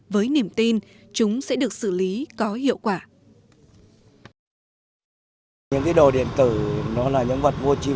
với niềm tin chúng sẽ được xử lý có hiệu quả